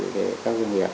để các doanh nghiệp